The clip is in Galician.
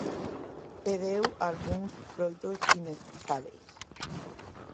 E deu algúns froitos inescusábeis.